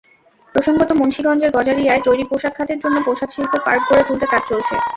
প্রসঙ্গত, মুন্সিগঞ্জের গজারিয়ায় তৈরি পোশাক খাতের জন্য পোশাকশিল্প পার্ক গড়ে তুলতে কাজ চলছে।